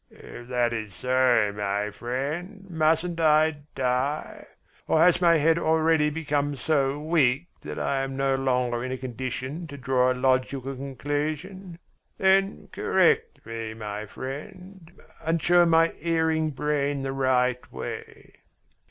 "If that is so, my friend, mustn't I die? Or has my head already become so weak that I am no longer in a condition to draw a logical conclusion? Then correct me, my friend and show my erring brain the right way."